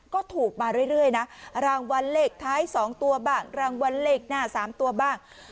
ก็ถูกมาเรื่อยนะรางวัลเลขท้าย๒ตัวบ้างรางวัลเลขหน้า๓ตัวบ้าง